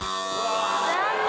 残念。